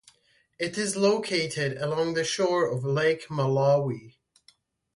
It is located along the shore of Lake Malawi.